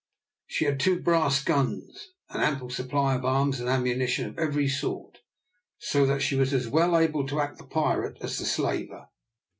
She had two brass guns, an ample supply of arms and ammunition of every sort, so that she was as well able to act the pirate as the slaver.